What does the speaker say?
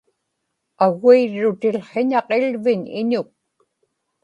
aguirrutiłhiñaq iḷviñ iñuk